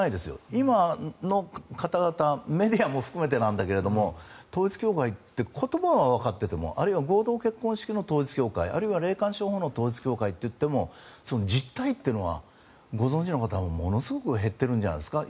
今の方々メディアも含めてだけど統一教会って言葉はわかっていてもあるいは合同結婚式の統一教会あるいは霊感商法の統一教会といっても実態はご存じの方、ものすごく減ってるんじゃないですか。